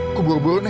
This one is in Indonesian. aku buru buru nih